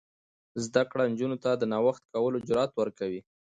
زده کړه نجونو ته د نوښت کولو جرات ورکوي.